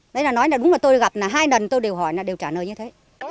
đấy là nói là đúng mà tôi gặp là hai lần tôi đều hỏi là đều trả lời như thế